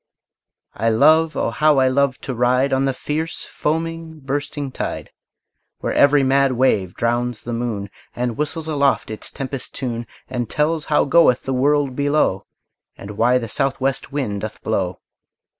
I love, oh! how I love to ride On the fierce, foaming, bursting tide, Where every mad wave drowns the moon, And whistles aloft its tempest tune, And tells how goeth the world below, And why the southwest wind doth blow!